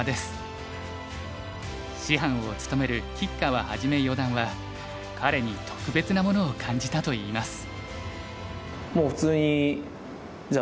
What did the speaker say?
師範を務める吉川一四段は彼に特別なものを感じたといいます。